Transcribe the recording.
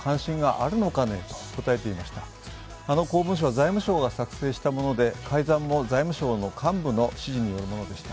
あの公文書は財務省が作成したもので改ざんも財務省の幹部の指示によるものでした。